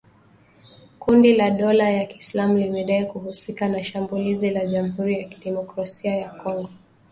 Kundi la dola ya Kiislamu limedai kuhusika na shambulizi la Jamhuri ya kidemokrasia ya Kongo lililouwa watu kumi na watano.